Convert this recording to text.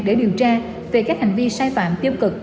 để điều tra về các hành vi sai phạm tiêu cực